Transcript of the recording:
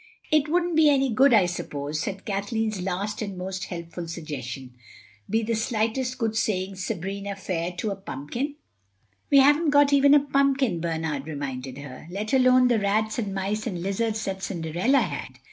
"It wouldn't be any good, I suppose," said Kathleen's last and most helpful suggestion—"be the slightest good saying 'Sabrina fair' to a pumpkin?" "We haven't got even a pumpkin," Bernard reminded her, "let alone the rats and mice and lizards that Cinderella had.